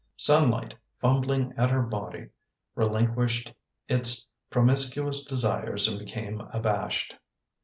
Sunlight, fumbling at her body, relinquished its promiscuous desires and became abashed.